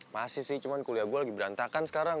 masih sih cuma kuliah gue lagi berantakan sekarang